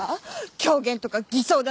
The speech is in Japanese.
狂言とか偽装だなんて。